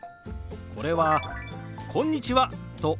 これは「こんにちは」と同じ手話。